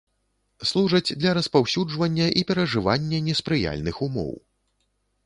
Служаць для распаўсюджвання і перажывання неспрыяльных умоў.